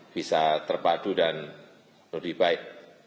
bisa terpadu dan lebih baik